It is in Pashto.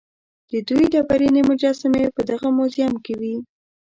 د دوی ډبرینې مجسمې په دغه موزیم کې وې.